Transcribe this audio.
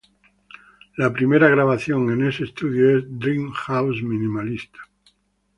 La primera grabación en este estudio es "Dream House minimalista".